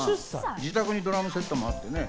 自宅にドラムセットもあってね。